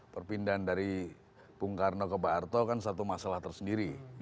perpindahan dari bung karno ke pak arto kan satu masalah tersendiri